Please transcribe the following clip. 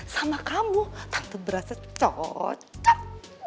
sama kamu berasa cocok